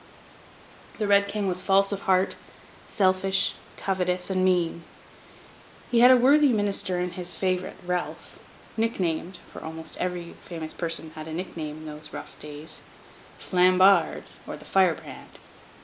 The Red King was false of heart, selfish, covetous, and mean. He had a worthy minister in his favourite, Ralph, nicknamed—for almost every famous person had a nickname in those rough days—Flambard, or the Firebrand.